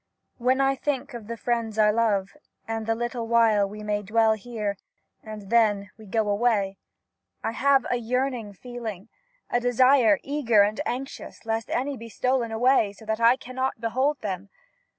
When I think of the friends I love, and the little while we may dwell here, and then 'we go away,' I have a yearn ing feeling, a desire eager and anxious lest any be stolen away, so that I cannot behold them.